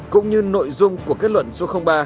cũng như nội dung của kết luận số ba